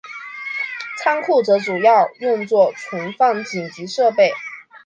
仓库则主要用作存放紧急设备。